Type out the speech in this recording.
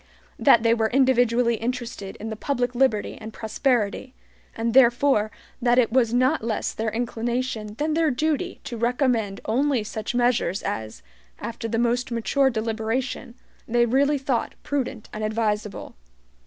That they were individually interested in the public liberty and prosperity, and therefore that it was not less their inclination than their duty to recommend only such measures as, after the most mature deliberation, they really thought prudent and advisable.